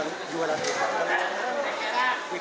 kalau dulu jadi orang tertentu yang jualan itu